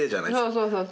そうそうそう。